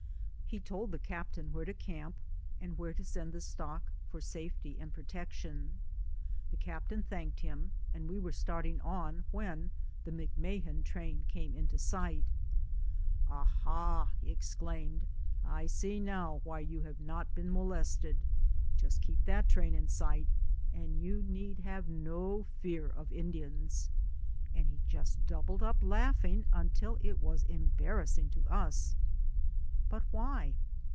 He told the captain where to camp, and where to send the stock for safety and pro tection. The captain thanked him, and we were starting on when the McMahan train came in sight. "Ah, ha !" he exclaimed, "I see now why you have not been molested. Just keep that train in sight, and you need have no fear of Indians." And he just doubled up laughing until it was embarrassing to us. "But why